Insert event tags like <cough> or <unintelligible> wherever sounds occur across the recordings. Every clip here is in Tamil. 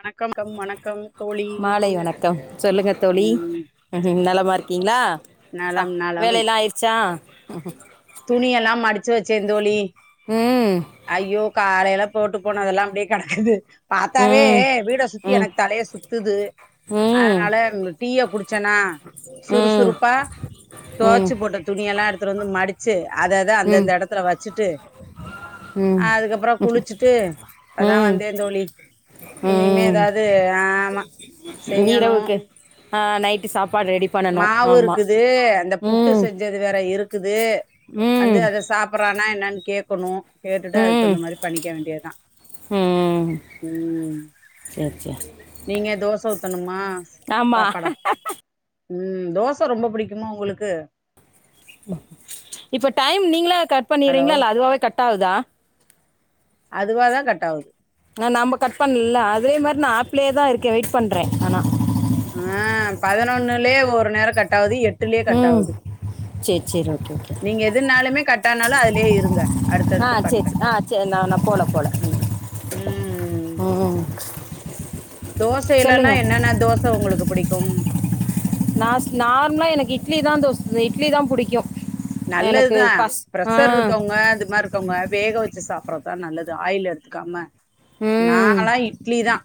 வணக்கம் கம் வணக்கம் தோழி மாலை வணக்கம் சொல்லுங்க தோழி ம் நலமா இருக்கீங்ளா நலம் நலம் வேலைல்லா ஆயிருச்சா துணியெல்லா மடிச்சு வச்சேன் தோழி ம் அய்யோ காலைல போட்டு போனதெல்லா அப்டியே கடக்குது பாத்தாவே ம் வீட சுத்தி ம் எனக்கு தலைய சுத் துது ம் அதனால டீய குடிச்சேன்னா ம் ம் சுறுசுறுப்பா ம் துவச்சு போட்ட துணி எல்லாம் எடுத்துட்டு வந்து மடிச்சு அத அத அந்தந்த எடத்துல வச்சுட்டு ம் ஆ அதுக்கப்பறோ குளிச்சுட்டு இப்பதான் ம் வந்தேன் தோழி இனிமே ஏதாவது ஆமா செய்யணு நிரவுக்கு ஆ நைட்டு சாப்பாடு ரெடி பண்ணணும் மாவு ஆமாம் இருக்குது இந்த புட்டு ம் செஞ் சது வேற இருக்குது வந்து ம் அத சாப்றானா என்னன்னு கேக்கணும் கேட்டுட்டு அதுக்கு ம் தகுந்த மாரி பண்ணிக்க வேண்டியதுதான் ம் ம் செரி நீங்க தோச ஊத்தணுமா ஆமாம் சாப்பாடா ம் தோச ரொம்ப புடிக்குமா ஒங்களுக்கு இப்ப டைம் நீங்களா கட் ஹலோ பண்ணீர்ரீங்களா இல்ல அதுவாவெ கட் ஆவுதா அதுவாவெ கட்டாவுத் ஆ நம்ப கட் பண்லல அதே மாரி நா ஆப்ளேயே தா இருக்கே வெயிட் பண்றே ஆனா ஆ பதினொன்னுலே ஒரு நேரோ கட்டாவ்து எட்டுலே கட்டாவ்து செர் செரி ஓகே ஓகே நீங்க எதுனாலுமே கட்டானாலு அத்லயே இருங்க அடுத்தடுத்து பண்றே செர் நா நா போல போல ம் ம் தோசைலல்லாம் சொல்லுங்கள் என்னன்ன தோச ஒங்களுக்கு புடிக்கும் நாஸ் நார்மலா எனக்கு இட்லி தான் தோச் இட்லி தா புடிக்கு நல்லதுதான் பிரஷர் இருக்கவங்க அது மார் வங்க வேக வச்சு சாப்பிட்டுறதுதா நல்லது ஆயில் எடுத்துக்காம நாலா இட்லி தான்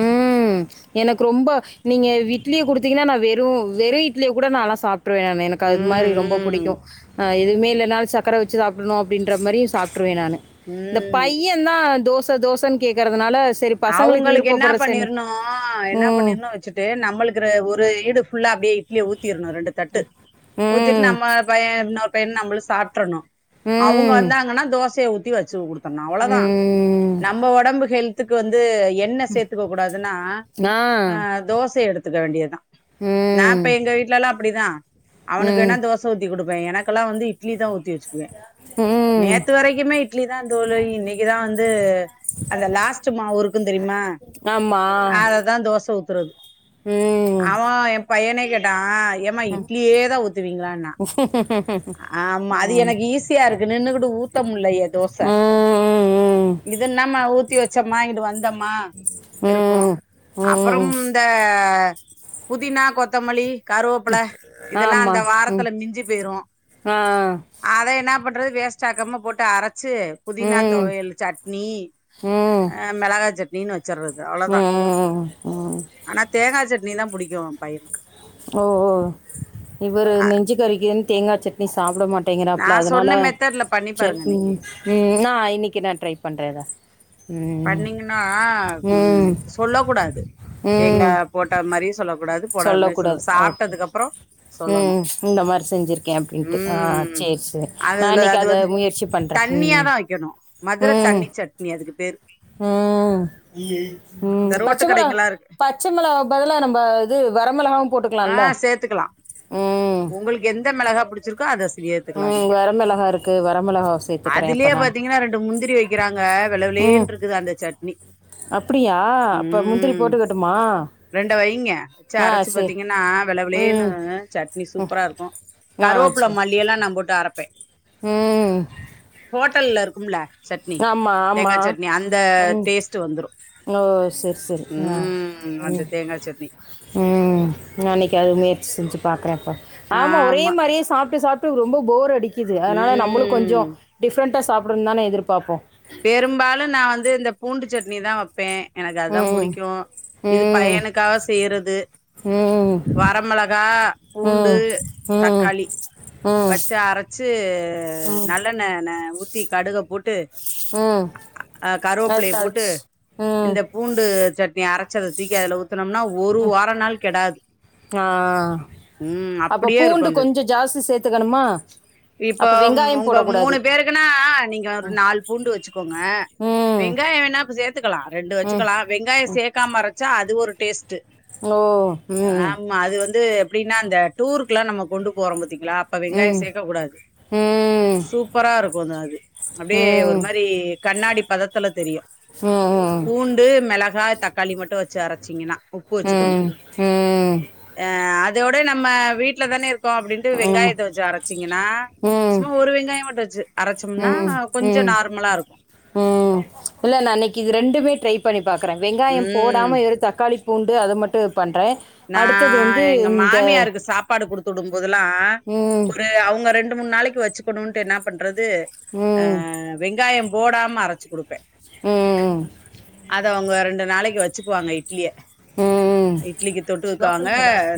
ம் ம் எனக்கு ரொம்ப நீங்க இட்லிய குடுத்தீங்கன்னா நான் வெறும் வெறும் இட்லிய கூட நான்ல்லா சாப்பிட்ருவேன் எனக்கு அது மாரி ரொம்ப ம் ம் புடிக்கும் ஆ எதுவுமே இல்லன்னாலு சக்கர வச்சு சாப்படணு அப்டின்ற மாரி சாப்பிட்டுருவே நானு இந்த ம் பையே ந்தா தோச தோச கேட்க்குறதுனால சரி பசங்களுக்கு அவ்ங்களுக்கு என்னா விருப்பப்படுற சரி பண்ணிர்ணு என்னா ம் பண்ணிர்ணு வச்சுட்டு நம்பளுக்கு ஒரு ஈடு ஃபுல்லா அப்டி இட்லிய ஊத்திர்ணு ரெண்டு தட்டு ஊத்திட்டு ம் நம்ம பையே இன்னொரு பையன்னு நம்பளும் சாப்டறணும் அவ்ங்க ம் வந்தாங்கன்னா தோசய ஊத்தி வச்சு குடுக்கணு அவ்ளோதா ம் நம்ப ஒடம்பு ஹெல்த் த்துக்கு வந்து எண்ண சேத்துக்க கூடாதுன்னா ஆ தோச எடுத்துக்க வேண்டியதுதான் நா ம் இப்ப எங்க வீட்டுலல்லாம் அப்டிதான் அவனுக்கு ம் வேணா தோச ஊத்தி குடுப்பேன் எனக்கெல்லாம் வந்து இட் இட்லி தான் ஊத்தி வச்சுக்குவேன் ம் நேத்து வரைக்குமே இட்லி தான் தோழி இன்னைக்குதான் வந்து அந்த லாஸ்ட் இருக்கும் தெரியுமா ஆமாம் அததா தோச ஊத்துறது ம் அவன் என் பய்யனே கேட்டான் ஏமா இட்லியே தான் ஊத்துவீங்களான்னா <inaudible> ஆமா அது எனக்கு ஈஸியா இருக்கு நின்னுக்கிட்டு ஊத்த முடிலயே தோச ம் இது நம்ம ஊத்தி வச்சோம்மா இங்கிட்டு வந்தோம்மா மா இருக்கும் அப்றோம் ம் இந்த புதினா கொத்தமல்லி கருவப்பில இதெல்லாம் அந்த ஆமாம் ம் வாரத்துல மிஞ்சி போயிரும் ஆ அத என்ன பண்றது வேஸ்டாக்காம போட்டு அரச்சு புதினா துவையல் சட்னி உம் மெளகா சட்னின்னு வச்சர்றது அவ்ளோதா ம் ம் ஆனா தேங்கா சட்னி தா புடிக்கு பையனுக்கு ஓ ஓ இவரு அ நெஞ்சுக்கறிக்குந் தேங்கா சட்னி சாப்ட மாட் நா டேங்கராப்ல அதனால சொன்ன மெத்தட்ல பண்ணி பாருங்க சட்னி இன்னைக்கு ம் நா இன்னைக்கு நா ட்ரை பண்றே இத பண்ணீங்கன்னா ம் சொல்ல கூடாது தேங்கா ம் போட்ட மாரியு சொல்ல கூடாது போடாத மாரி சொல்லு சொல்லக்கூடாது ஓகே சாப்ட்டதுக்குப்றோ ம் இந்த மாரி செஞ்சுருக்கே அப்டின்ட்டு ஆ ம் சேரி சேரி நா அதுல இன்னைக்கு அது அத வந்து முயற்சி பண் தண்ணியாதா வெக்கணு மதுர தண்ணி சட்னி அதுக்கு பேரு உம் இந்த உம் ரோட்டு பச்சமிளகா கடைங்கல்லா இருக்கு பச்ச மெளகாக்கு பதுலா நம்ப அது வரமிளகாவு ஆ போட்டுக்கலாம்ல சேத்துக்கலா உம் உங்களுக்கு எந்த மெளகா பிடிச்சிருக்கோ அத ஏத்துக்கலா ம் நீங்க வரமிளகா இருக்குது வரமிளகாவை சேர்த்துக்கிறேன் இப்போ அதுலயே நான் பாத்தீங்கன்னா ரெண்டு முந்திரி வெக்கறாங்க வெள்ள வெள்ளேன்று க்குது அந்த சட்னி அப்டியா அப்போ முந்திரி ம் போட்டுக்கட்டுமா ரெண்ட வைங்க ஆ சேர் நா வெள்ளவெலன்னு சட்னி சூப்பரா இருக்கும் ஆ கருவேப்புள்ள சரி மல்லி எல்லாம் நா போட்டு அரைப்பேன் ம் ஹோட்டல்ல இருக்கும்ல சட்னி ஆமாம் தேங்காய் சட்னி ஆமாம் அந்த ம் டேஸ்ட் வந்துரும் ஓ சேரி சேரி ஆ அந்த உம் தேங்கா சட்னி ம் அன்னைக்கு அது முயற்சி செஞ்சு பாக்குறேன் அப்ப ஆமா ஒரே மாரியே சாப்பிட்டு சாப்பிட் டு ரொம்ப போர் அடிக்குது அதனால நம்பளும் ம் கொஞ்சம் டிஃப்ரெண்டா சாப்பிடனு தானே எதிர்பார்ப்போம் பெரும்பாலும் நா வந்து இந்த பூண்டு சட்னி தான் வப்பேன் எனக்கு அதா ம் புடிக்கு இது ம் பையனுக்காக செய்றது ம் ம் வரமெளகா பூண்டு ம் தக்காளி ம் வச்சு அரச்சு ம் நல்லெண்ண ஊத்தி கடுக போட்டு ம் அ அது கருவேப்பிள்ளைய போட்டு தாளிச்சு ம் இந்த பூண்டு சட்னி அரச்சது தூக்கி அதுல ஊத் ஊத்னோம்ன ஒரு வார நாளு கெடாது ஆ ம் அப்போ அப்டியே பூண்டு இருக்கு அந்த கொஞ்சம் ஜாஸ்தி சேத்துக்கணுமா இப்போ உங்க மூணு பேருக்குன்னா நீங்க ஒரு நாலு பூண்டு வெச்சுக்கோங்க ம் வெங்காயோ வேணா இப்ப சேத்துக்கலா ரெண்டு ம் வெச்சுக்கலா வெங்காயோ சேக்காம அறச்சா அது ஒரு டேஸ்டு ஓ ம் ஆமா அது வந்து எப்டின்னா அந்த டூருக்கெல்லா நம்ம கொண்டு போறோ பாத்திங்கலா அப்ப ம் ம் வெங்காயோ சேக்கக் கூடாது சூப்பரா இருக்கும் ஆந்த அது ம் அப்டியே ஒரு ம் மாரி கண்ணாடி பதத்துல தெரியு ம் ம் ம் பூண்டு மெளகா தக்காளி மட்டு வெச்சு அரச்சிங்கன்னா உப்பு வெச் ம் ம் ம் ம் ஆ அதோட நம்ம வீட்ல தானே இருக்கோ அப்டின்ட்டு வெங்காய ஆமா வெச்சு அரச்சிங்கன்னா ம் ம் சும்மா ஒரு வெங்காயம் மட்டு வெச்சு அரச்சம்னா ம் கொஞ்சோ நார்மலாருக்கும் இல்ல நா இன்னைக்கு இது ரெண்டுமே ட்ரை பண்ணி பாக்குறே வெங்காயோ ம் போடாம வெறு தக்காளி பூண்டு அது மட்டு பண்றே நா எங்க மாமியாருக்கு சாப்பாடு குடுத்து விடும்போதெல்லா ம் ஒரு அவங்க ரெண்டு மூணு நாளைக்கு வச் ச்சுக்கணுன்ட்டு என்னா பண்றது ஆ ம் வெங்காயோ போடாம அரச்சு குடுப்பே ம் அத அவங்க ரெண்டு நாளைக்கு வெச்சுக்குவாங்க இட்லிய ம் இட்லிக்கு தொட்டுக் வாங்க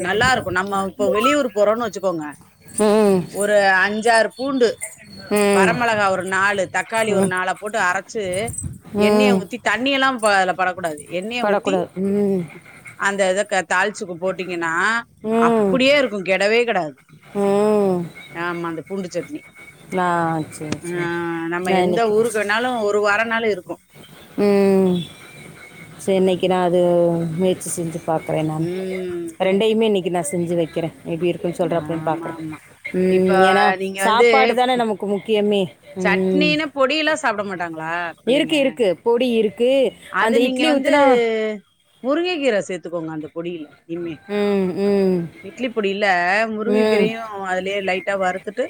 நல்லா இருக்கு நம்ம இப்போ வெளியூர் போறோன்னு வெச்சுக்கோங்க ஒரு அஞ்சாறு பூண்டு ம் வரமெளகா ஒரு நாலு தக்காளி ஒரு ம் நால போட்டு அரச்சு எண்ணெய ம் ஊத்தி தண்ணியெல்லா அதுல படக்கூடாது எண்ணய ஊத்தி படக்கூடாது ம் அந்த இத தாளிச்சுக்கு போட்டீங்கன்னா ம் அப்படியே இருக்கும் கெடவே கெடா து ம் ஆமா அந்த பூண்டு சட்னி ஆ சரி ஆ சரி நம்ம நான் எந்த இன்னைக்கு ஊருக்கு வேணாலும் ஒரு வாரோ நாலு இருக்கும் ம சரி இன்னைக்கு நா அது முயற்சி செஞ்சு பாக்குறே நானு ம் ரெண்டயுமே இன்னைக்கி நா செஞ்சு வைக்கிறே எப்படி இருக்குன்னு சொல்ராபில்லன்னு ஆமா பாக்கறே ஆமா இப்ப ம் ஏன்னா சாப்பாடு தான நமக்கு முக்கியமே ம் சட்னின பொடியெல்லா சாப்பிட மாட்டாங்களா பிள்ளைங்க இருக்குது இருக்குது பொடி இருக்கு அது நீங்க வந்து முருங்க கீர சேத்துக்கோங்க அந்த பொடியில இனிமே ம் ம் இட்லி பொடில்ல ம் முருங்கைக்கீரையும் அதுலயே லைட்டா வறுத்துட்டு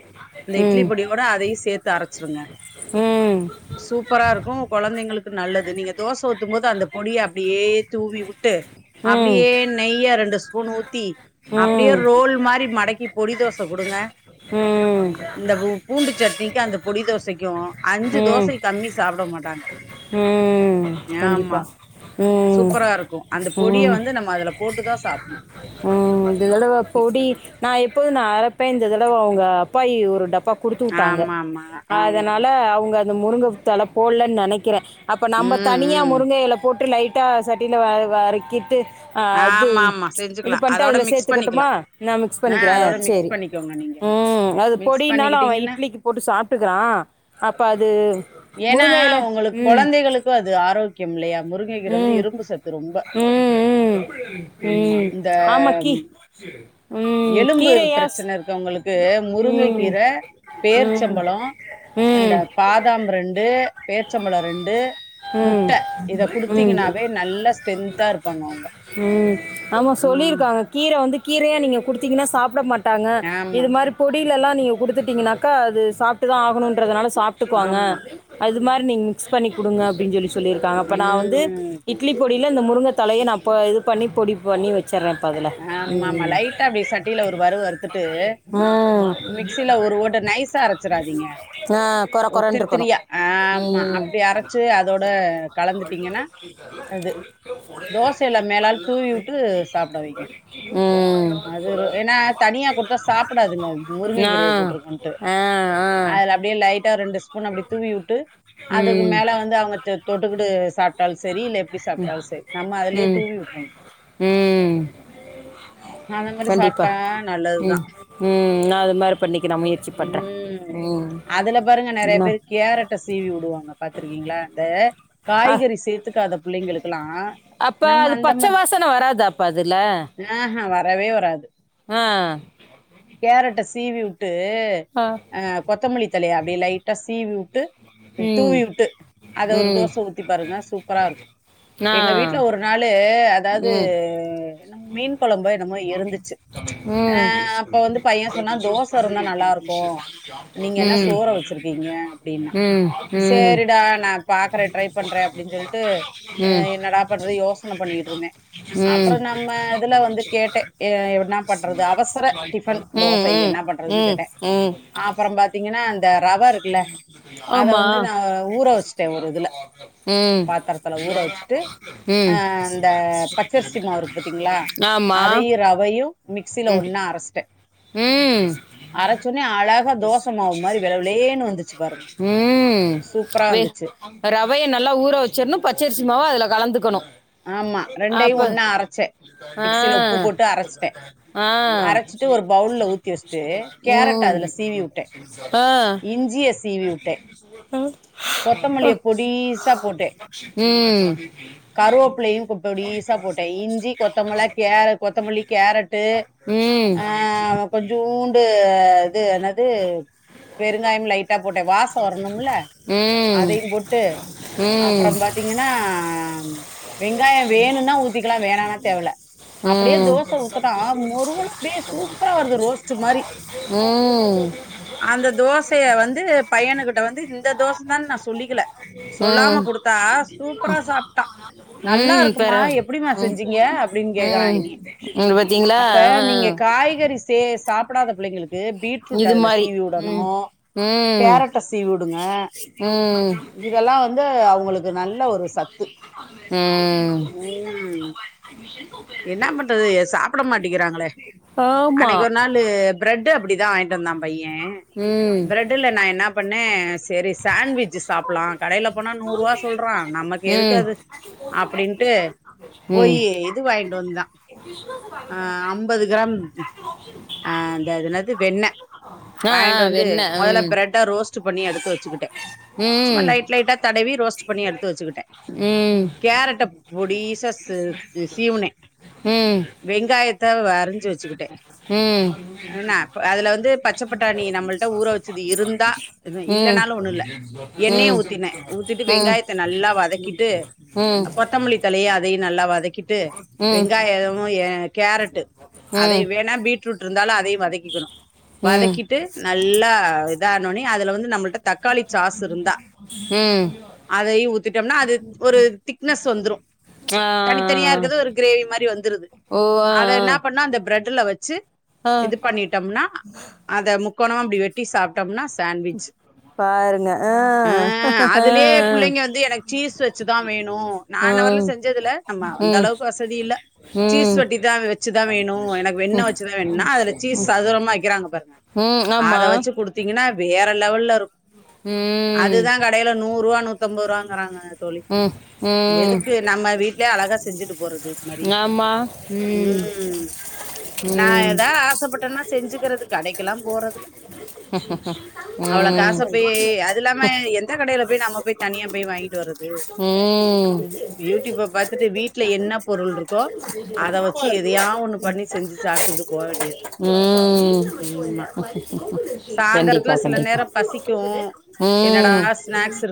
அந்த இட்லி ம் பொடியோட அதையு சேத்து அரச்சிருங்க ம் சூப்பரா இருக்கும் கொழந்தைங்களுக்கு நல்லது நீங்க தோச ஊத்தும் போது அந்த பொடிய அப்படியே தூவி விட்டு ம் அப்படியே நெய்யா ரெண்டு ஸ்பூன் ஊத்தி அப்டியே ரோல் மாரி மடக்கி பொடி தோச குடுங்க ம் இந்த பூண்டு சட்னிக்கு அந்த பொடி தோசைக்கு அஞ்சு ம் ம் தோசைக்கு கம்மி சாப்ட மாட்டாங்க ம் ஆமா கண்டிப்பாக ம் சூப்பரா இருக்கும் அந்த பொடிய ம் வந்து நம்ம அதுல போட்டு தா சாப்ணு ம் இந்த தடவ பொடி நா எப்போது நா அரப்பே இந்த தடவ அங்க அப்பாயி ஒரு டப்பா குடுத்து விட்டாங்க ஆமா ஆமா ஆமா அதனால அவங்க முருங்க தல போல்லனு நெனைக்கிறே அப்ப நம்ம ம் தனியா ம் முருங்க எல போட்டு லைட் ட்டா சட்டியில வ வரைக்கிட்டு ஆ அது ஆமா ஆமா இது செஞ்சுக்கலா பண்ணிட்டு அதோட அதுல மிக்ஸ் பண்ணிக்கலா சேத்துக்கட்டுமா நா மிக்ஸ் ஆ பண்ணிக்கிறே அதோட மிக்ஸ் சரி பண்ணிக்கோங்க நீங்க ம் அது மிக்ஸ் பொடினாலு அவ பண்ணிக்கிட்டீங்கன்னா இட்லிக்கு போட்டு சாப்ட்டுக்கிறா அப்போ அது ஏன்னா முருங்கை இலை உங்களுக்கு ம் குழந்தைகளுக்கு அது ஆரோக்கியம் இல்லையா முருங்கைகிற வந்து ம் இரும்பு சத்து ரொம்ப <inaudible> ஆமா இந்த ஆமா கீ ம் எலும்பு கீரையா பிரச்சன இருக்கவங்களுக் இது ம் முருங்க ம் கீர ம் பேர்ச்சம்பளோ இந்த ம் பாத் தாம் ரெண்டு பேரிச்ச பழ ரெண்டு முட்ட இத குடுத் ம் குடுத்திங்னாவே நல்லா ஸ்ட்ரென்தா இருப்பாங்க அவ்ங்க ம் கீர வந்து கீரையா நீங்க குடுத்தீங்கனா சாப்ட மாட்டாங்க ஆமா இது மாரி பொடியில எல்லா நீங்க கொடுத்துட்டீங்கனாக்கா அது சாப்ட்டு தா ஆகணுன்றதுனால சாப்ட்டுக்குவாங்க ஆமா அது மாரி நீங் மிக்ஸ் பண்ணி குடுங்க அப்டின் சொல்லி சொல்லிருக்காங்கப்ப நா வந்து ம் து இட்லி பொடியில இந்த முருங்க தலைய நா ப இது பண்ணி பொடி பண்ணி வச் ச்சறே பதில ஆமா ஆமா லைட்டா அப்டி சட்டில ஒரு வறுவ வறுத்துட்டு ம் மிக்சில ஒரு ஓட நைசா அரச்சிராதீங்க ஆ கொர கொரன்னு இருக்கணும் த்திருத்திரியா ஆமா ம் அப்டி அரச்சு அதோட கலந்துட்டீங்கனா அது தோசையில மேலால தூவி விட்டு சாப்ட வைங்க ம் அதுரு ஏனா தனியா கொடுத்தா சாப்டாதுங்க முருங்க ஆ கீரைய போட்ருக்கோன்ட்டு ஆ ஆ அதுல அப்டியே லைட்டா ரெண்டு ஸ்பூன் அப்டி தூவி வுட்டு அதுக்கு ம் மேல வந்து அவ்ங்க தொட்டுக்கடு சாப்ட்டாலு செரி இல்ல எப்டி சாப்ட்டாலு செரி நம்ம அதுலே ம் தூவி விட்றோ ம் அந்த மாரி கண்டிப்பா சாப்பிட்டா ம் நல்லதுதான். ம் நா அது மாரி பண்ணிக்க நா முயற்சி பண்றே ம். ம் அதுல பாருங்க நெறைய என்ன பேரு கேரட்ட சீவி வுடுவாங்க பாத்துருக்கீங்களா இந்த அ காய்கறி சேத்துக்காத பிள்ளைங்களுக் அப்ப அது பச்ச வாசன வராதப்ப அதுல ஆஹ்ஹே வரவே வராது ஆ கேரட்ட சீவி உட்டு ஆ அ கொத்தமல்லி தலைய அப்டிய லைட்டா சீவி வுட்டு ம் தூவி வுட்டு அத ஒரு ம் தோச ஊத்தி பாருங்க சூப்பரா இருக்கு ஆ எங்க வீட்டுல ஒரு நாளு அதாவ்து என்ன மீன் குழம்பு என்னமோ இருந்துச்சு ஆ ம் அப்ப வந்து பைய சொன்னா தோச இருந்தா நல்லா இருக்கு நீங்க ம் என்ன சோற ம் வச்சிருக்கீங்க ம் ம் ம் ம் ம் அப்டின்னா சேரிடா நா பாக்குறே ட்ரை பண்றே அப்டின் சொல்லிட்டு என்னடா பண்றே யோஸ் <unintelligible> பண்ணிட்டு இருந்தே அப்புறோ நம்மதுல வந்து கேட்ட என்ன பண்றது அவசர டிபன் ம் தோசை என்ன ம் பண்றதுன்னு ம் கேட்டே அப்பறோ பாத்தீங்கன்னான் இந்த ரவ இருக்குல்ல அத ஆமா வந்து நா ஊற வச்சுட்டே ஒரு இதுல ம் பாத்திரத்துல ஊற வச்சு ட்டு ஆ ம் இந்த பச்சரிசிமாவு இருக்கு பாத்தீங்களா ஆமா அதையு ரவையு மிக்சில ம் ஒன்னா அரச்ட்டே ம் அழகா தோச மாவு மாரி வெள வெளேன்னு வந்துச்சு பாருங்க ம் சூப்பரா வே வந்துச்சு ரவைய நல்லா ஊற வச்சிட்ணு பச்சரிசிமாவா அதுல கலந்துக்கணு ஆமா ரெண்டையும் அப்ப ஒன்னா அரைச்சே ஆ மிக்சில உப்பு போட்டு அரைச்சிட்டே ஆ அரைச்சிட்டு ஒரு பவுல்ல ஊத்தி வச்சுட்டு கேரட் ம் அதுல சீவி விட்டே இஞ்சிய சீவி விட்டே ஆ கொத்தமல்லிய பொடிசா போட்டே ம் கருவேப்பல்லையு பொடிசா போட்டே இஞ்சி கொத்தமல்ல கேர கொத்தமல்லி கேரட்டு ம் ஆ கொஞ்சோண்டு இது என்னது பெருங்காயம் லைட்டா போட்டே வாசம் வரணும்ல ம் அதையு போட்டு அப்பறம் பாத்தீங்கனா வெங்காயம் வேணுன்ன ஊத்திக்லா வேணானா தேவல்ல ம் அப்டியே ம் தோச ஊத்துனா முறுவலா அப்டியே சூப்பரா வருது ரோஸ்ட்டு மாரி ம் அந்த தோசய வந்து பையனு கிட்ட வந்து இந்த தோச தானு நா சொல்லிக்கல சொல்லாம ம் குடுத்தா சூப்பரா சாப்டா நல்லா ம் இருக்குமா பரவா எப்டிமா செஞ்சீங்க அப்டின்னு கேக்குறா ம் என்னைய இது பாத்தீங்களா அப்ப ஆ நீங்க காய்கறி சே சாப்டாத பிள்ளைங்களுக்கு பீட்ரூட் இது அதுல மாரி சீவி ம் உடனு ம் கேரட்ட சீவ் உடுங்க ம் இதெல்லா வந்து அவங்களுக்கு நல்ல ஒரு சத்து ம் என்னா பண்றது ஸ் சாப்ட மாட்டேக்கிறாங்களே ஆமா அன்னைக்கி ஒரு நாளு பிரெட்டு அப்டிதா வாங் ட்டு வந்த பையே ம் பிரெட்ல நா என்னா பண்ணே செரி சாண்ட்விச் சாப்ட்லா கடையில போனா நூறு ரூவா சொல்றா நமக் கு ம் எதுக்கது அப்டின்ட்டு ம் போயி இது வாங்கிண்டு வந்தா ஐம்பது கிராம் இந்த அது என்னது வெண்ண ஆ ஆ வாங்கிட்டு வந்து வெண்ண மொதல்ல ம் பிரெட்ட ரோஸ்ட்டு பண்ணி எடுத்து வச்சுக்கிட்டே சும்மா ம் லைட் லைட்டா தடவி ரோஸ்ட்டு பண்ணி எடுத்து வச்சிக்கிட்டே ம் கேரட்ட பொடிசா சு சீவுனே ம் வெங்காயத்த வறிஞ்சு வச்சிக்கிட்டே ம் ம் என்ன அதுல வந்து பச்ச பட்டாணி நம்மள்ட்ட ஊற வச்சது இருந்தா ம் ம் இல்லனால ஒண்ணுல்ல எண்ணெய ம் ஊத்தினே ஊத்திட்டு வெங்காயத்த நல்லா வதக்கிட்டு கொத்தமல்லி தழை அதயு நல்லா வதக்கிட்டு வெங்காயமு எ கேரட்டு அதயு ம் வேணா பீட் ரூட் இருந்தாலு அதயு வதக்கிக்கணு ம் வதக்கிட்டு நல்லா இதா ஆனோனே அதுல வந்து நம்ள்ட்ட தக்காளி சாஸ் இருந்தா ம் அதயு ஊத்திட்டோம்னா அது ஒரு திக்னஸ் வந்துரு ஆ தனியா ஆ. இருக்கது ஒரு க்ரேவி மாரி வந்துருது ஓ ஆ அத என்னா பண்ணா அந்த பிரெட்டுல வச்சு ஆ ஆ இது பண்ணிட்டம்னா அத முக்கோணமா அப்டி வெட்டி சாப்ட்டோம்னா சாண்ட்விச்சு பாருங்க ஆ புள்ளைங்க வந்து எனக்கு சீஸ் வச்சுதா அ ம் ஆமா ம் அந்தளவுக்கு வசதி இல்ல சீஸ் ம் வெட்டிதா வச்சுதா வேணு எனக்கு வெண்ண வச்சுதா வேணும்னா அதுல சீஸ் சதுரமா வைக்கிறாங்க பாருங்க ம் ஆமா அத வச்சு குடுத்தீங்கன்னா வேற லெவல்லருக்கு ம் அதுதா கடைல நூர்ருவா நூத்தம்பது ரூவாங்கறாங்க தோழி ம் ம் எதுக்கு நம்ம வீட்லயே அழகா செஞ்சுட்டு போறது இது மாரி ம் நா ம் எதா ஆசப்பட்டன்னா செஞ்சிக்கிறது கடைக்கெலா போறதுல அவ்ளோ காச ம் பேய் அது இல்லாம எந்த கடையில பேய் நம்ம பேய் தனியா பேய் வாங்கி வருது ம் யூடியூப்ப பாத்துட்டு வீட்ல என்ன பொருள்ருக்கோ அத வச்சு எதையா ஒண்ணு பண்ணி செஞ்சு சாப்டுக்கிட்டு போ வேண்டியதா ம் ம் மா சாந்தரத்துல கண்டிப்பா சில கண்டிப்பா நேரோ பசிக்கு ம் என்னடானா ஸ்நாக்ஸ் இருக்